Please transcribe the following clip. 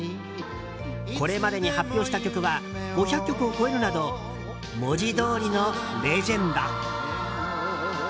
これまでに発表した曲は５００曲を超えるなど文字どおりのレジェンド。